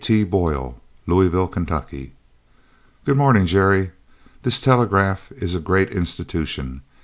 T. BOYLE, Louisville, Ky. Good morning, Jerry! This telegraph is a great institution.